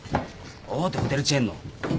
大手ホテルチェーンの。